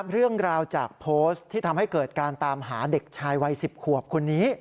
เรื่องราวจากโพสต์ที่ทำให้เกิดการตามหาเด็กชายวัย๑๐ขวบคนนี้